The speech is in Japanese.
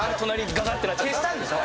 消したんでしょ？